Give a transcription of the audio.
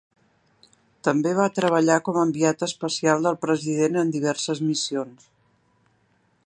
També va treballar com a enviat especial del president en diverses missions.